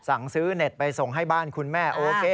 สั่งซื้อเน็ตไปส่งให้บ้านคุณแม่โอเค